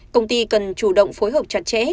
công ty cần chủ động phối hợp chặt chẽ